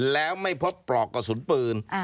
แล้วไม่พบปลอกกระสุนปืน